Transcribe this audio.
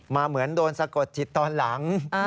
เหมือนโดนสะกดจิตตอนหลัง